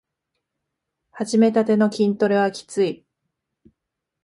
はじめたての筋トレはきつい